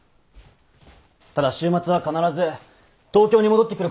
ただ週末は必ず東京に戻ってくることにします。